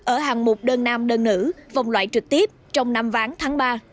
ở hàng mục đơn nam đơn nữ vòng loại trực tiếp trong năm ván tháng ba